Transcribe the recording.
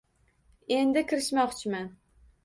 — Endi kirishmoqchiman.